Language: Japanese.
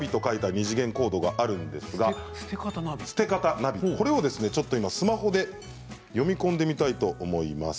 ２次元コードがあるんですがこれを今スマホで読み込んでみたいと思います。